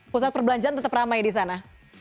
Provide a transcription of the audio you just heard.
pusat perbelanjaan tetap ramai di sana